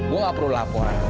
gue gak perlu laporan